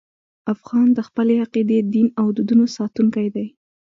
افغان د خپلې عقیدې، دین او دودونو ساتونکی دی.